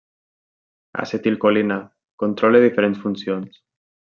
Acetilcolina: controla diferents funcions.